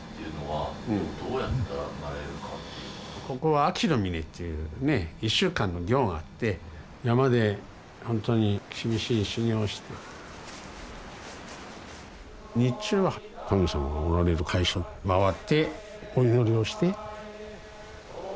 ここは秋の峰というね１週間の行があって山で本当に厳しい修行をして日中は神様がおられる拝所を回ってお祈りをして。